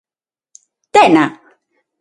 ¿Tena?